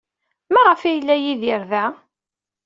Maɣef ay yella Yidir da?